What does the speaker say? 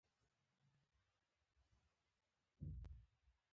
په اولاد په روزنه کې یې کړاو او زیار انعکاس موندلی.